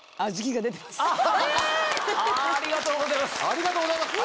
ありがとうございます。